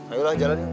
ayolah jalan yuk